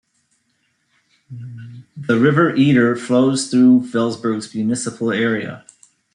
The river Eder flows through Felsberg's municipal area.